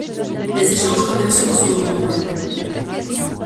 Les échanges commerciaux sont nombreux.